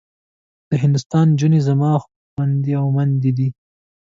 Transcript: د هندوستان نجونې زما خوندي او مندي دي.